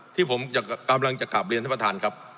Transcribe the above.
ที่ผมกำลังจะกลับเรียนท่านประธานครับ